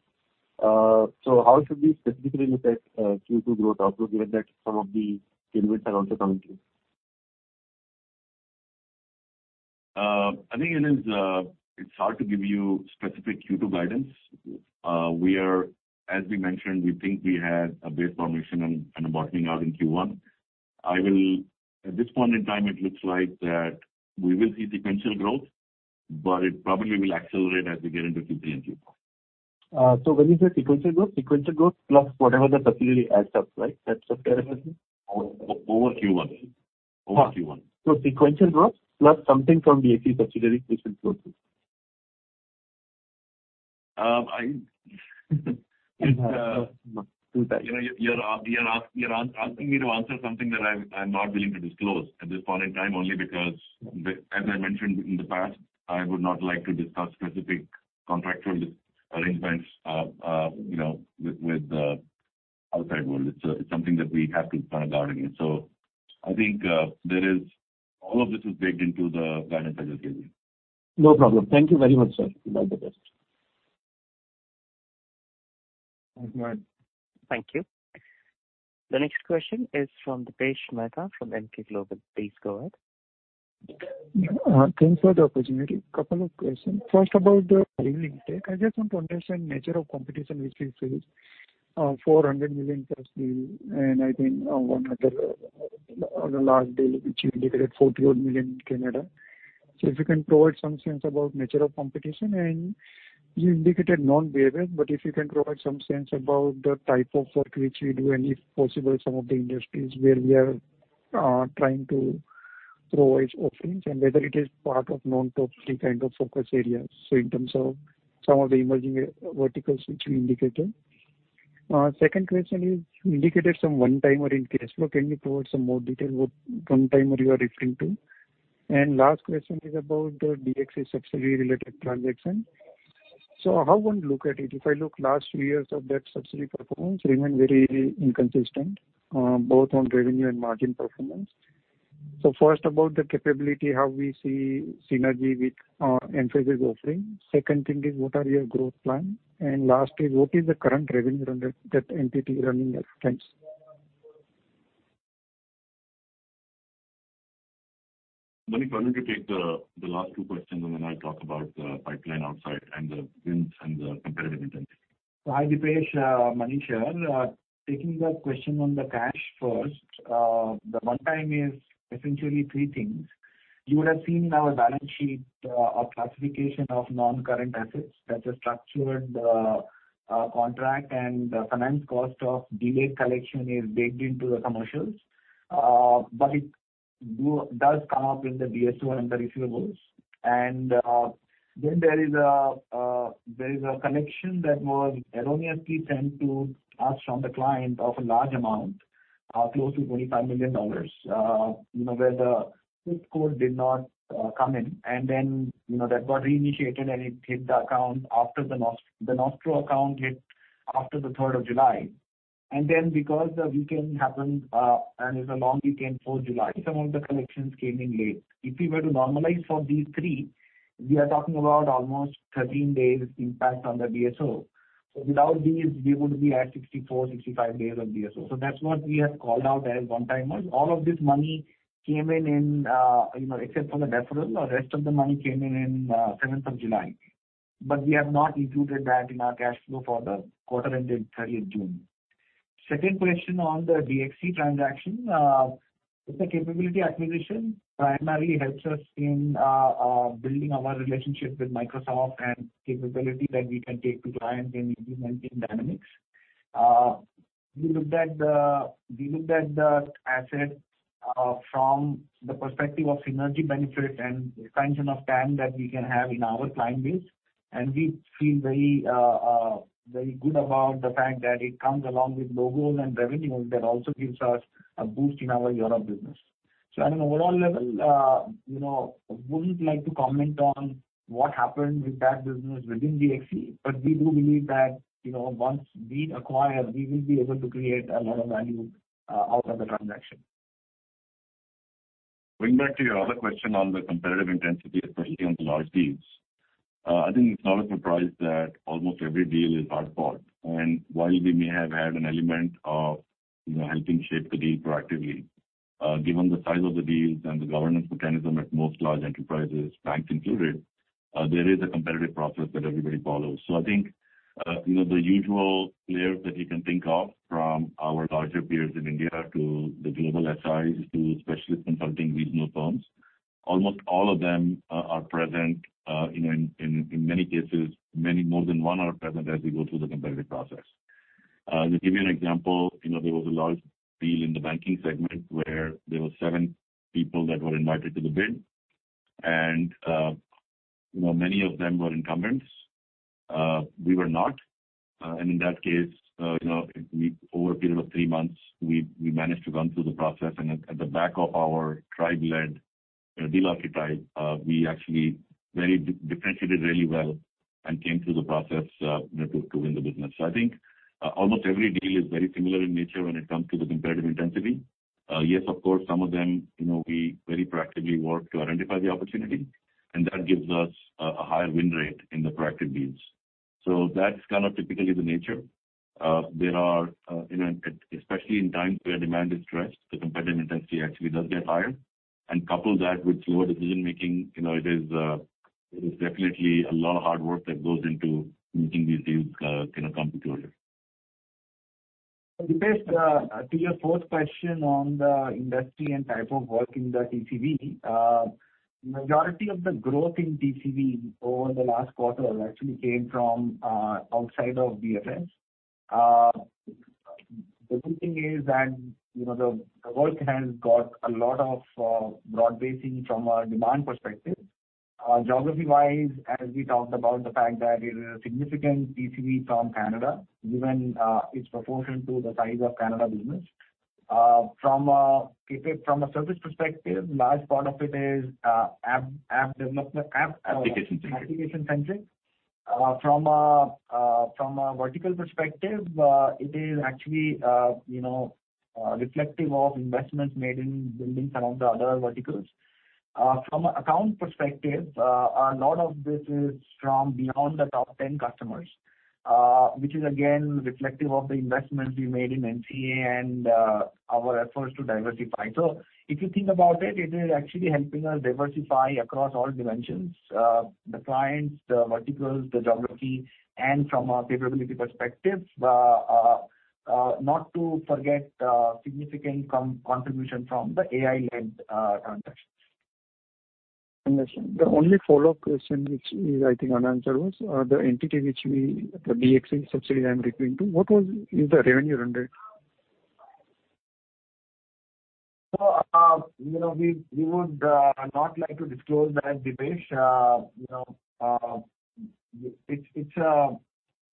How should we specifically look at Q2 growth outlook, given that some of the tailwinds are also coming in? I think it is, it's hard to give you specific Q2 guidance. We are, as we mentioned, we think we had a base formation and a bottoming out in Q1. At this point in time, it looks like that we will see sequential growth, but it probably will accelerate as we get into Q3 and Q4. When you say sequential growth, sequential growth plus whatever the subsidiary adds up, right? That's the comparison. Over Q1. sequential growth plus something from the BX subsidiary, which will close this? I, you know, you're asking me to answer something that I'm not willing to disclose at this point in time, only because the. As I mentioned in the past, I would not like to discuss specific contractual arrangements, you know, with the outside world. It's something that we have to be kind of guarding it. I think, there is. All of this is baked into the guidance I just gave you. No problem. Thank you very much, sir. All the best. Thanks, Mohit. Thank you. The next question is from Deepesh Mehta, from NK Global. Please go ahead. Thanks for the opportunity. Couple of questions. First, about the greenfield tech. I just want to understand nature of competition, which you face, $400 million plus deal, and I think, one other, on the last deal, which you declared $41 million in Canada. If you can provide some sense about nature of competition, and you indicated non-behavior, but if you can provide some sense about the type of work which we do, and if possible, some of the industries where we are, trying to provide offerings, and whether it is part of non-top three kind of focus areas, in terms of some of the emerging, verticals which you indicated. Second question is, you indicated some one-timer in cash flow. Can you provide some more detail what one-timer you are referring to? Last question is about the DXC subsidiary-related transaction. How one look at it? If I look last few years of that subsidiary performance, remain very inconsistent, both on revenue and margin performance. First, about the capability, how we see synergy with Mphasis offering. Second thing is, what are your growth plan? Lastly, what is the current revenue under that entity running at times? Manish, why don't you take the last two questions, and then I'll talk about the pipeline outside and the wins and the competitive intensity. Hi, Dipesh, Manish here. Taking the question on the cash first, the one time is essentially three things. You would have seen in our balance sheet, a classification of non-current assets. That's a structured contract, and the finance cost of delayed collection is baked into the commercials. But it does come up in the DSO and the receivables. Then there is a collection that was erroneously sent to us from the client of a large amount, close to $25 million, you know, where the SWIFT code did not come in, and then, you know, that got reinitiated, and it hit the account after the nostro account hit after the third of July. Because the weekend happened, and it's a long weekend, Fourth of July, some of the collections came in late. If we were to normalize for these three, we are talking about almost 13 days impact on the DSO. Without these, we would be at 64, 65 days of DSO. That's what we have called out as one-timers. All of this money came in, you know, except for the deferral, the rest of the money came in 7th of July. We have not included that in our cash flow for the quarter ending 30th June. Second question on the DXC transaction. It's a capability acquisition, primarily helps us in building our relationship with Microsoft and capability that we can take to clients in implementing Dynamics. We looked at the asset, from the perspective of synergy benefit and the function of time that we can have in our client base, and we feel very, very good about the fact that it comes along with logos and revenues that also gives us a boost in our Europe business. At an overall level, you know, wouldn't like to comment on what happened with that business within DXC, but we do believe that, you know, once we acquire, we will be able to create a lot of value, out of the transaction. Going back to your other question on the competitive intensity, especially on the large deals. I think it's not a surprise that almost every deal is hard-fought. While we may have had an element of, you know, helping shape the deal proactively, given the size of the deals and the governance mechanism at most large enterprises, banks included, there is a competitive process that everybody follows. I think, you know, the usual players that you can think of, from our larger peers in India to the global SIs, to specialist consulting regional firms, almost all of them are present. You know, in many cases, many more than one are present as we go through the competitive process. To give you an example, you know, there was a large deal in the banking segment where there were seven people that were invited to the bid, and, you know, many of them were incumbents. We were not. In that case, you know, we over a period of three months, we managed to run through the process, and at the back of our tribe-led deal archetype, we actually very differentiated really well and came through the process, you know, to win the business. I think almost every deal is very similar in nature when it comes to the competitive intensity. Yes, of course, some of them, you know, we very proactively work to identify the opportunity, and that gives us a higher win rate in the proactive deals. That's kind of typically the nature. There are, you know, especially in times where demand is stressed, the competitive intensity actually does get higher. Couple that with slower decision-making, you know, it is definitely a lot of hard work that goes into making these deals, kind of come to closure. Dipesh, to your fourth question on the industry and type of work in the TCV, majority of the growth in TCV over the last quarter actually came from outside of BFS. The good thing is that, you know, the work has got a lot of broad basing from a demand perspective. Geography-wise, as we talked about the fact that there is a significant TCV from Canada, given its proportion to the size of Canada business. From a service perspective, large part of it is app development. Application centric. Application centric. From a, from a vertical perspective, it is actually, you know, reflective of investments made in building some of the other verticals. From an account perspective, a lot of this is from beyond the top 10 customers, which is again reflective of the investments we made in NCA and our efforts to diversify. If you think about it is actually helping us diversify across all dimensions, the clients, the verticals, the geography, and from a capability perspective, not to forget, significant contribution from the AI-led transactions. Understand. The only follow-up question which is, I think, unanswered was, the entity which we, the DXC subsidiary I'm referring to, what was is the revenue under it? You know, we would not like to disclose that, Dipesh. You know, it's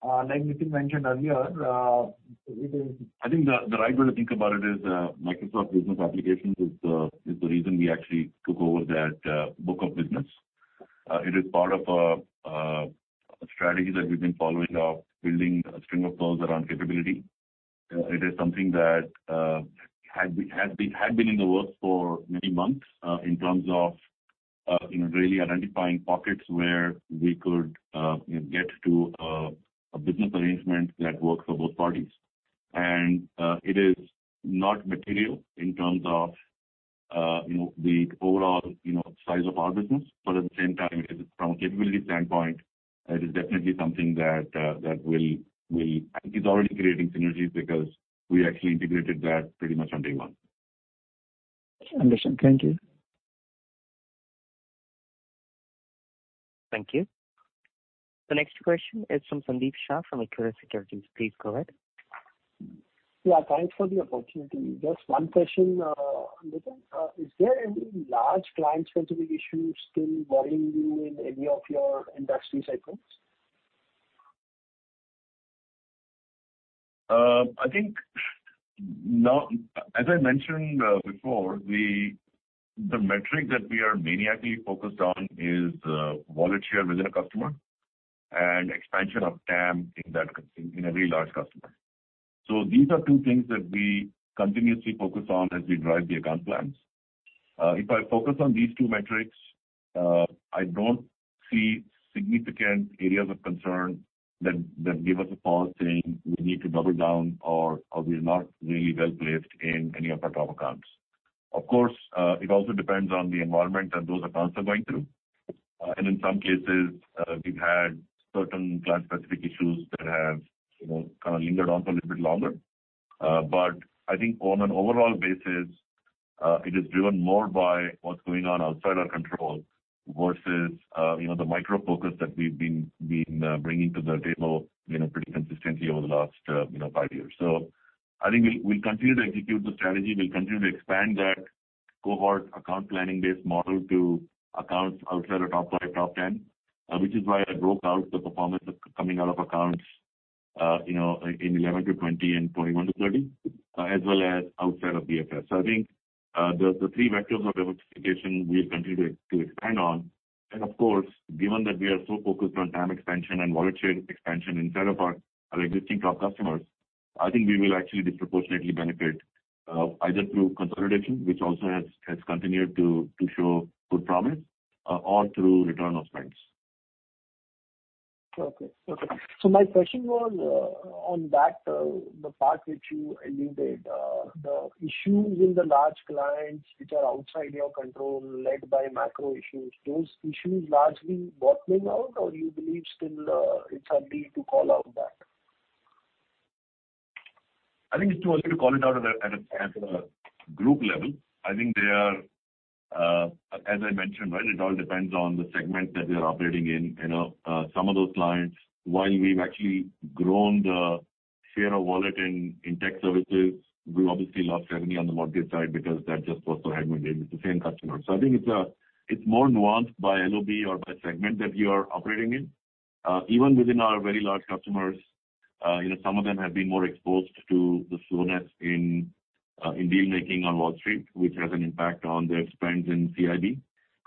like Nitin mentioned earlier, it is. I think the right way to think about it is, Microsoft business applications is the reason we actually took over that book of business. It is part of a strategy that we've been following of building a string of pearls around capability. It is something that had been in the works for many months, in terms of, you know, really identifying pockets where we could, you know, get to a business arrangement that works for both parties. It is not material in terms of, you know, the overall, you know, size of our business. At the same time, it is from a capability standpoint, it is definitely something that will. It's already creating synergies because we actually integrated that pretty much on day one. Understand. Thank you. Thank you. The next question is from Sandeep Shah, from Equirus Securities. Please go ahead. Yeah, thanks for the opportunity. Just one question, Nitin. Is there any large client-specific issues still bothering you in any of your industry cycles? I think now, as I mentioned before, the metric that we are maniacally focused on is wallet share within a customer and expansion of TAM in that, in every large customer. These are two things that we continuously focus on as we drive the account plans. If I focus on these two metrics, I don't see significant areas of concern that give us a pause, saying, "We need to double down," or, "We're not really well-placed in any of our top accounts." Of course, it also depends on the environment that those accounts are going through. In some cases, we've had certain client-specific issues that have, you know, kind of lingered on for a little bit longer. I think on an overall basis, it is driven more by what's going on outside our control versus, you know, the micro focus that we've been bringing to the table, you know, pretty consistently over the last, you know, 5 years. I think we'll continue to execute the strategy. We'll continue to expand that cohort account planning-based model to accounts outside our top five, top 10, which is why I broke out the performance coming out of accounts, you know, in 11-20 and 21-30, as well as outside of BFS. I think the three vectors of diversification we continue to expand on. Of course, given that we are so focused on TAM expansion and wallet share expansion inside of our existing top customers, I think we will actually disproportionately benefit, either through consolidation, which also has continued to show good promise, or through return of spends. Okay. Okay. My question was on that, the part which you alluded, the issues in the large clients which are outside your control, led by macro issues. Those issues largely bottoming out, or you believe still, it's early to call out that? I think it's too early to call it out at a group level. I think they are, as I mentioned, right, it all depends on the segment that we are operating in. You know, some of those clients, while we've actually grown the share of wallet in tech services, we obviously lost revenue on the mortgage side because that just was so high with the same customer. I think it's more nuanced by LOB or by segment that you are operating in. Even within our very large customers, you know, some of them have been more exposed to the slowness in deal making on Wall Street, which has an impact on their spends in CIB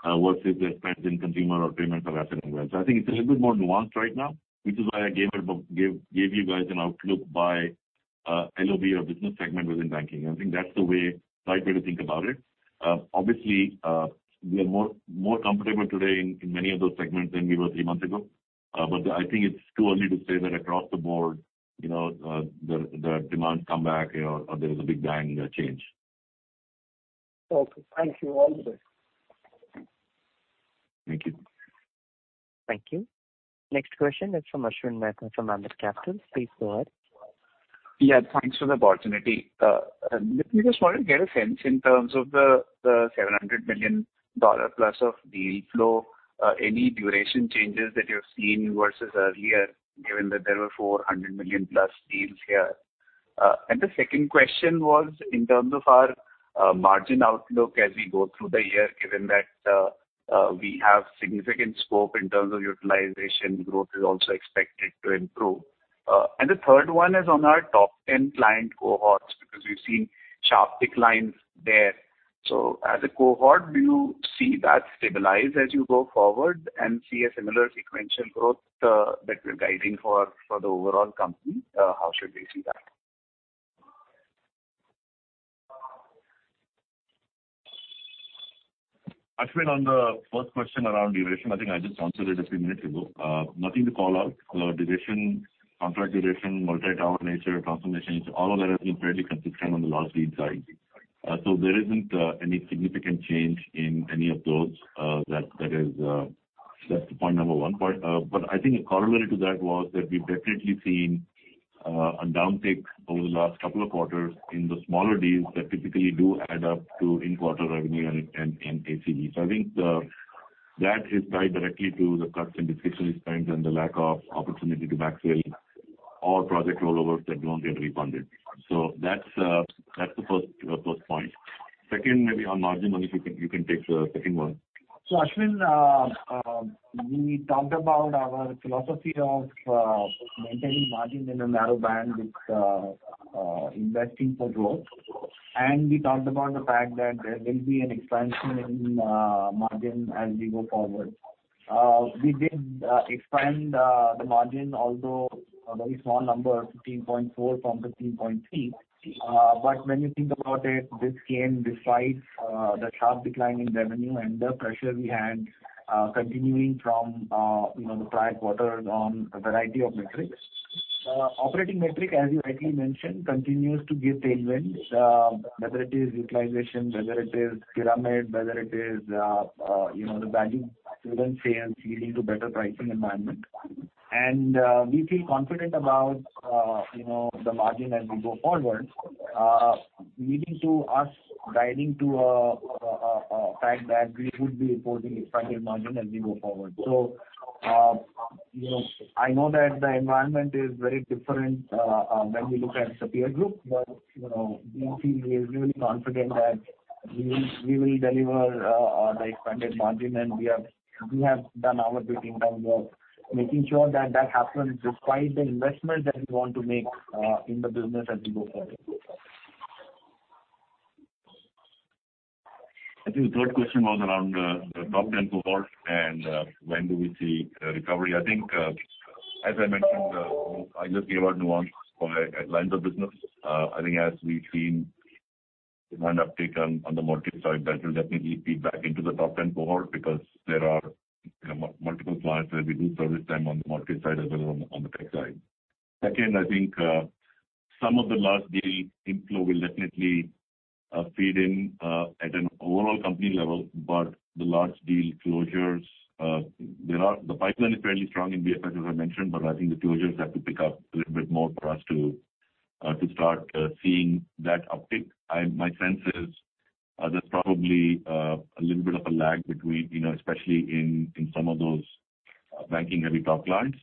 versus their spends in consumer or payments or asset and wealth. I think it's a little bit more nuanced right now, which is why I gave you guys an outlook by LOB or business segment within banking. I think that's the way, right way to think about it. Obviously, we are more comfortable today in many of those segments than we were three months ago. But I think it's too early to say that across the board, you know, the demand come back or there is a big bang change. Okay. Thank you. All the best. Thank you. Thank you. Next question is from Ashwin Mehta, from Ambit Capital. Please go ahead. Yeah, thanks for the opportunity. Nitin, I just wanted to get a sense in terms of the $700 million+ of deal flow, any duration changes that you've seen versus earlier, given that there were $400 million+ deals here? The second question was, in terms of our margin outlook as we go through the year, given that we have significant scope in terms of utilization growth is also expected to improve. The third one is on our top 10 client cohorts, because we've seen sharp declines there. As a cohort, do you see that stabilize as you go forward and see a similar sequential growth that you're guiding for the overall company? How should we see that? Ashwin, on the first question around duration, I think I just answered it a few minutes ago. Nothing to call out. Duration, contract duration, multi-tower nature, transformation, all of that has been fairly consistent on the large deals side. There isn't any significant change in any of those that is. That's point number one. I think a corollary to that was that we've definitely seen a downtick over the last couple of quarters in the smaller deals that typically do add up to in-quarter revenue and ACV. I think that is tied directly to the cuts in discretionary spend and the lack of opportunity to backfill or project rollovers that don't get refunded. That's the first point. Second, maybe on margin, Manik, you can take the second one. Ashwin, we talked about our philosophy of maintaining margin in a narrow band with investing for growth. We talked about the fact that there will be an expansion in margin as we go forward. We did expand the margin, although a very small number, 15.4% from 13.3%. When you think about it, this came despite the sharp decline in revenue and the pressure we had continuing from, you know, the prior quarter on a variety of metrics. Operating metric, as you rightly mentioned, continues to give tailwinds, whether it is utilization, whether it is kilome, whether it is, you know, the value student sales leading to better pricing environment. We feel confident about, you know, the margin as we go forward, leading to us guiding to a fact that we would be reporting expanded margin as we go forward. You know, I know that the environment is very different, when we look at the peer group, but, you know, we feel really confident that we will deliver the expanded margin. We have done our bit in terms of making sure that that happens, despite the investment that we want to make, in the business as we go forward. I think the third question was around the top 10 cohort and when do we see a recovery? I think, as I mentioned, I just gave our nuance by lines of business. I think as we've seen demand uptake on the market side, that will definitely feed back into the top 10 cohort because there are, you know, multiple clients where we do service them on the market side as well on the tech side. Second, I think, some of the large deal inflow will definitely feed in at an overall company level. The large deal closures, the pipeline is fairly strong in BFS, as I mentioned, but I think the closures have to pick up a little bit more for us to start seeing that uptick. I. My sense is, there's probably a little bit of a lag between, you know, especially in some of those banking-heavy top clients.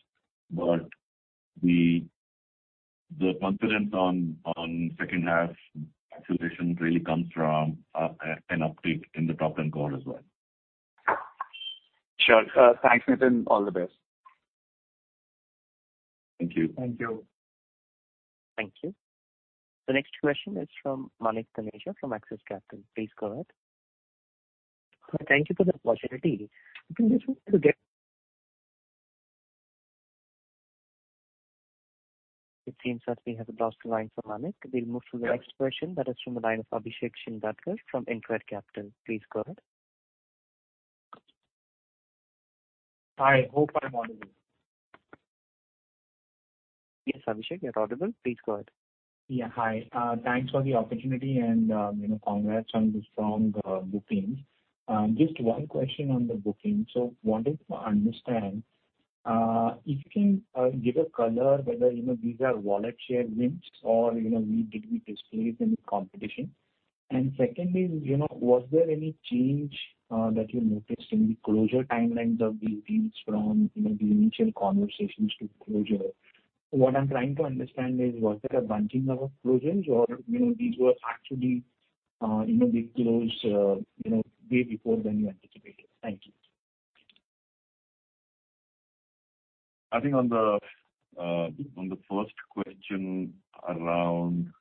The confidence on second half acceleration really comes from an uptick in the top 10 cohort as well. Sure. Thanks, Nitin. All the best. Thank you. Thank you. Thank you. The next question is from Manik Taneja from Axis Capital. Please go ahead. Thank you for the opportunity. I think it seems that we have lost the line from Manik. We'll move to the next question. That is from the line of Abhishek Schindler from InCred Capital. Please go ahead. Hi, hope I'm audible. Yes, Abhishek, you're audible. Please go ahead. Yeah. Hi, thanks for the opportunity and, you know, congrats on the strong bookings. Just one question on the bookings. Wanted to understand if you can give a color whether, you know, these are wallet share wins or, you know, we did we displace any competition? Secondly, you know, was there any change that you noticed in the closure timelines of these deals from, you know, the initial conversations to closure? What I'm trying to understand is, was there a bunching of closures or, you know, these were actually, you know, they closed, you know, way before than you anticipated? Thank you. I think on the, on the first question around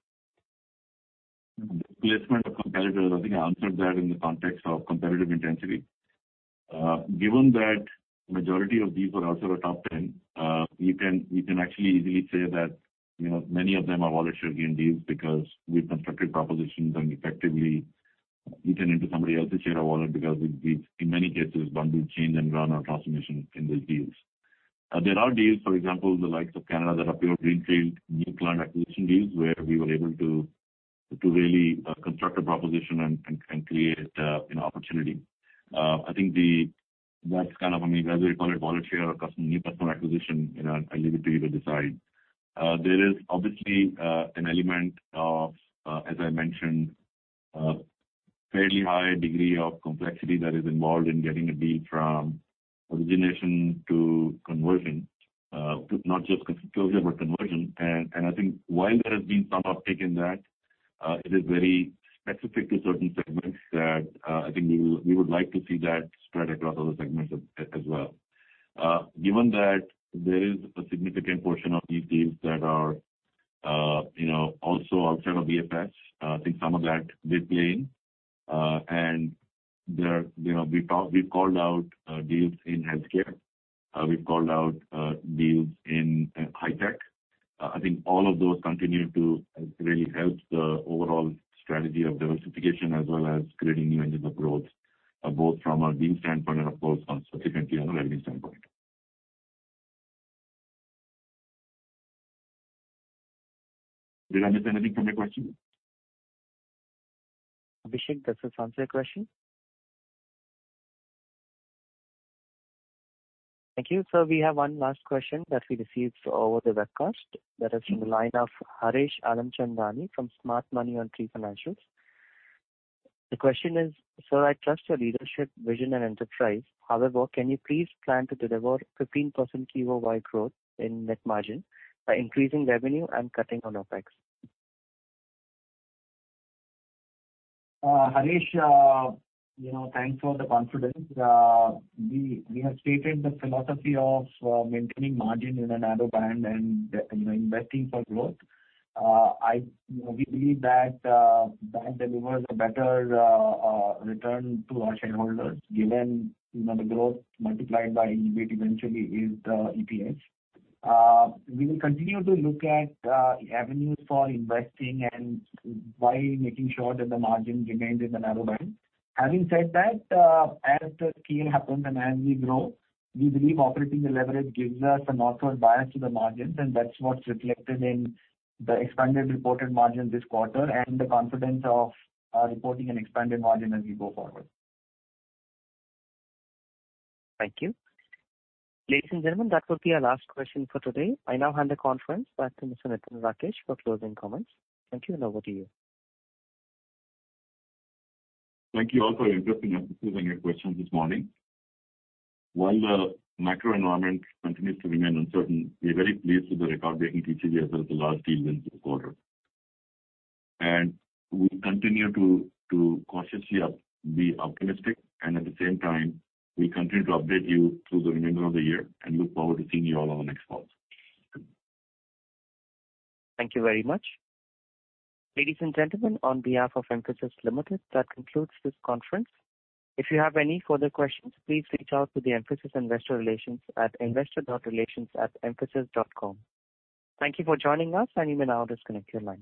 placement of competitors, I think I answered that in the context of competitive intensity. Given that majority of these are also a top 10, you can actually easily say that, you know, many of them are wallet share gain deals because we've constructed propositions and effectively eaten into somebody else's share of wallet, because we've in many cases bundled change and run our transformation in these deals. There are deals, for example, the likes of Canada, that are pure greenfield new client acquisition deals, where we were able to really construct a proposition and create an opportunity. I think that's kind of, I mean, whether you call it wallet share or customer, new customer acquisition, you know, I leave it to you to decide. There is obviously an element of, as I mentioned, fairly high degree of complexity that is involved in getting a deal from origination to conversion. Not just closure, but conversion. I think while there has been some uptick in that, it is very specific to certain segments that I think we would like to see that spread across other segments as well. Given that there is a significant portion of these deals that are, you know, also outside of BFS, I think some of that we play in. There, you know, we've called out deals in healthcare, we've called out deals in high tech. I think all of those continue to really help the overall strategy of diversification as well as creating new engines of growth, both from a deal standpoint and, of course, significantly on the revenue side. Did I miss anything from the question? Abhishek, does this answer your question? Thank you. Sir, we have one last question that we received over the webcast. That is from the line of Harish Alamchandani from Smart Money on Three Financials. The question is: Sir, I trust your leadership, vision, and enterprise. However, can you please plan to deliver 15% QOY growth in net margin by increasing revenue and cutting on OpEx? Harish, you know, thanks for the confidence. We have stated the philosophy of maintaining margin in a narrow band and, you know, investing for growth. We believe that that delivers a better return to our shareholders, given, you know, the growth multiplied by EBIT eventually is the EPS. We will continue to look at avenues for investing and while making sure that the margin remains in the narrow band. Having said that, as the scale happens and as we grow, we believe operating the leverage gives us an outward bias to the margins, and that's what's reflected in the expanded reported margin this quarter and the confidence of reporting an expanded margin as we go forward. Thank you. Ladies and gentlemen, that will be our last question for today. I now hand the conference back to Mr. Nitin Rakesh for closing comments. Thank you, and over to you. Thank you all for your interesting and pursuing your questions this morning. While the macro environment continues to remain uncertain, we are very pleased with the record-breaking TCGS Delta large deal in this quarter. We continue to cautiously be optimistic, and at the same time, we continue to update you through the remainder of the year and look forward to seeing you all on the next call. Thank you very much. Ladies and gentlemen, on behalf of Mphasis Limited, that concludes this conference. If you have any further questions, please reach out to the Mphasis Investor Relations at investor.relations@mphasis.com. Thank you for joining us. You may now disconnect your lines.